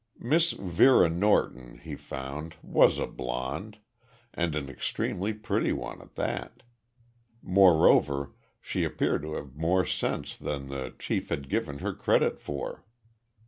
Miss Vera Norton, he found, was a blond and an extremely pretty one, at that. Moreover, she appeared to have more sense than the chief had given her credit for.